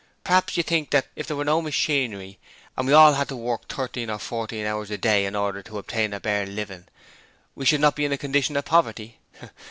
Perhaps you think that if there was no machinery and we all had to work thirteen or fourteen hours a day in order to obtain a bare living, we should not be in a condition of poverty?